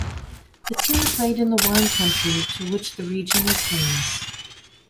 The team played in the wine country to which the region is famous.